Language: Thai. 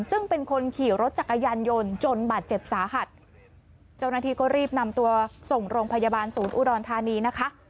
ซึ่งเป็นคนขี่รถจักรยานยนต์จนบาดเจ็บสาหัสเจ้าหน้าที่ก็รีบนำตัวส่งโรงพยาบาลศูนย์อุดรธานีนะคะ